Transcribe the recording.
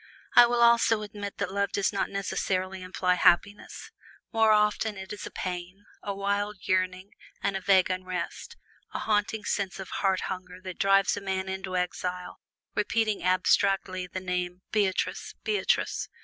I will also admit that love does not necessarily imply happiness more often 't is a pain, a wild yearning, and a vague unrest; a haunting sense of heart hunger that drives a man into exile repeating abstractedly the name "Beatrice! Beatrice!"